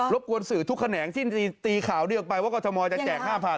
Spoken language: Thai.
เล็กลบวนสื่อทุกแขนงที่ตีข่าวได้เอาไปว่ากฎธมอธ์จะแจก๕๐๐๐